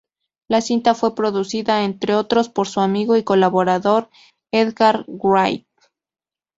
La cinta fue producida entre otros por su amigo y colaborador, Edgar Wright.